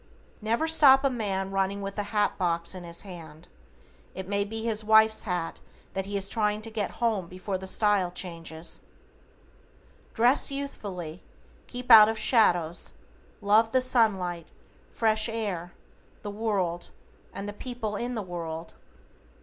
Never stop a man running with a hat box in his hand, it may be his wife's hat that he is trying to get home before the style changes. Dress youthfully, keep out of shadows, love the sunlight, fresh air, the world, and the people in the world.